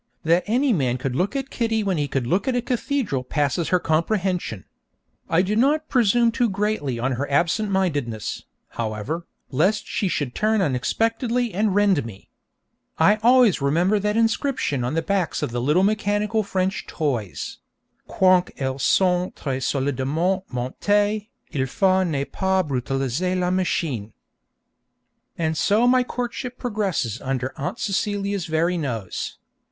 That any man could look at Kitty when he could look at a cathedral passes her comprehension. I do not presume too greatly on her absent mindedness, however, lest she should turn unexpectedly and rend me. I always remember that inscription on the backs of the little mechanical French toys: 'Quoiqu'elle soit très solidement montée, il faut ne pas brutaliser la machine.' And so my courtship progresses under Aunt Celia's very nose.